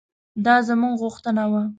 دا زموږ غوښتنه وه.